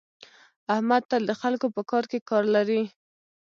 احمد تل د خلکو په کار کې کار لري.